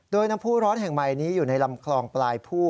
โดยน้ำผู้ร้อนแห่งใหม่นี้อยู่ในลำคลองปลายผู้